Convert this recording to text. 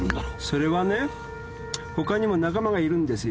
それはねほかにも仲間がいるんですよ。